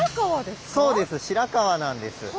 そうです白川なんです。